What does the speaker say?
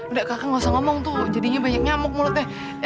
udah kakak gak usah ngomong tuh jadinya banyak nyamuk mulutnya